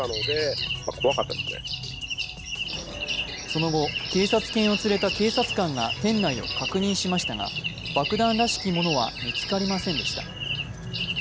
その後、警察犬を連れた警察官が店内を確認しましたが爆弾らしきものは見つかりませんでした。